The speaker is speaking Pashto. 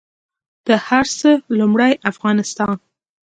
د هر څه لومړۍ افغانستان